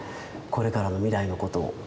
これからの未来のことを。